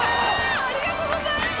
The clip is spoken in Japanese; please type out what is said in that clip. ありがとうございます！